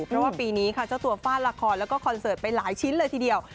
เพราะว่าปีนี้ค่ะเจ้าตัวฟาดละครแล้วก็คอนเสิร์ตไปหลายชิ้นเลยทีเดียว